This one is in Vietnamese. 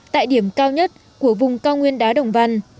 tại điểm cao nhất của vùng cao nguyên đá đồng văn